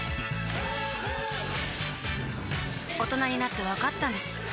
大人になってわかったんです